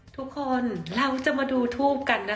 ทุกคนเราจะมาดูทูปกันนะคะ